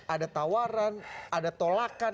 ada tawaran ada tolakan